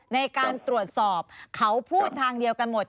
ในการตรวจสอบเขาพูดทางเดียวกันหมด